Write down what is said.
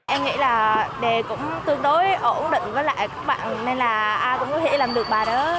em nghĩ là đề cũng tương đối ổn định với lại các bạn nên là ai cũng có thể làm được bài đó